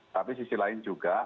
tapi sisi lain juga